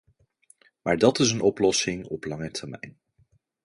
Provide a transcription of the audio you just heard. Maar dat is een oplossing op lange termijn.